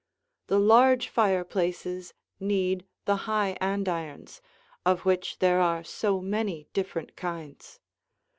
The large fireplaces need the high andirons, of which there are so many different kinds.